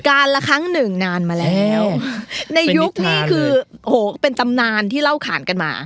ละครั้งหนึ่งนานมาแล้วในยุคนี้คือโอ้โหเป็นตำนานที่เล่าขานกันมา